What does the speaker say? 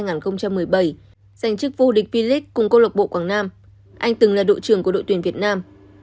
giành chức vô địch v legs cùng cô lộc bộ quảng nam anh từng là đội trưởng của đội tuyển việt nam